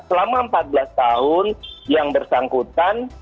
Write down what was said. selama empat belas tahun yang bersangkutan